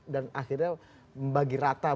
dan akhirnya membagi rata